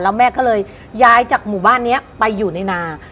แล้วแม่ก็เลยย้ายจากหมู่บ้านนี้ไปอยู่ในนา